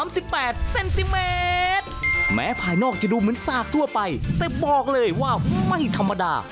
ตอนนี้ไปได้บอกเลยว่าไม่ธรรมดา